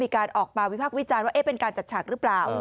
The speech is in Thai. มีการออกมาวิพักวิจารณ์ว่าเป็นการจัดฉากหรือเปล่า